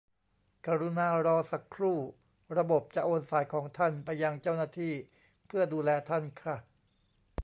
กรุณารอสักครู่ ระบบจะโอนสายของท่านไปยังเจ้าหน้าที่ เพื่อดูแลท่านค่ะ